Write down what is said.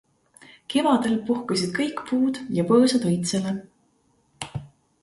Kevadel puhkesid kõik puud ja põõsad õitsele.